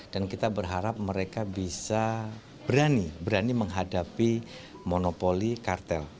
dan kita berharap mereka bisa berani berani menghadapi monopoli kartel